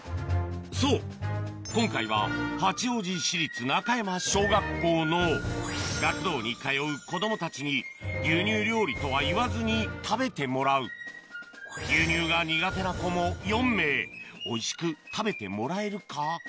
そう今回は八王子市立中山小学校の学童に通う子供たちに牛乳料理とは言わずに食べてもらう牛乳が苦手な子も４名おいしく食べてもらえるか？